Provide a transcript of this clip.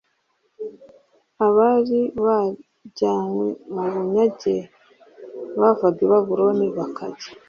abari barajyanywe mu bunyage bavaga i Babuloni bakajya